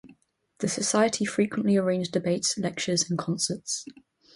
The Society frequently arrange debates, lectures and concerts.